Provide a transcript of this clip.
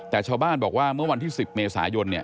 แต่ชาวบ้านบอกว่าเมื่อวันที่๑๐เมษายน